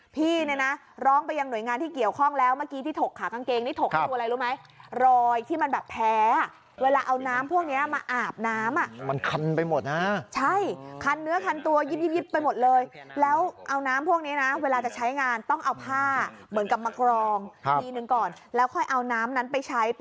ไปล้างถ่วยล้างชำซักผ้าอาบน้ำแต่คนแพ้อะ